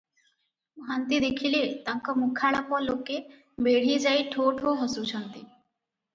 ମହାନ୍ତି ଦେଖିଲେ, ତାଙ୍କ ମୁଖାଳାପ ଲୋକେ ବେଢିଯାଇ ଠୋ ଠୋ ହସୁଛନ୍ତି ।